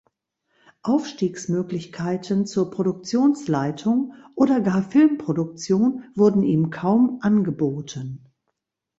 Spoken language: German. Aufstiegsmöglichkeiten zur Produktionsleitung oder gar Filmproduktion wurden ihm kaum angeboten.